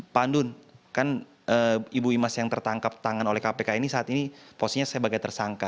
pak andun kan ibu imas yang tertangkap tangan oleh kpk ini saat ini posisinya sebagai tersangka